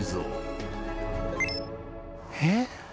えっ？